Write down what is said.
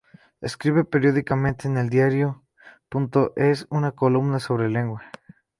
Escribe periódicamente en eldiario.es una columna sobre lengua.